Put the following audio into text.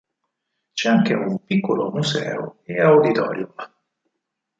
C'è anche un piccolo museo e auditorium.